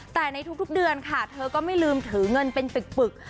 แต่ในทุกเดือนค่ะเธอก็ไม่ลืมถือเงินเป็นปึก